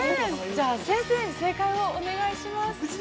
◆先生に正解をお願いします。